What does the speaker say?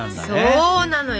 そうなのよ。